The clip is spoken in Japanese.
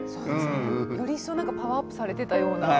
より一層パワーアップされてたような「７２時間」の頃より。